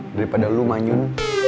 daripada lu manyun